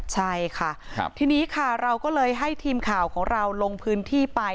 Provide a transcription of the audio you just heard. ใช่ค่ะทีนี้ค่ะเราก็เลยให้ทีมข่าวของเราลงพื้นที่ไป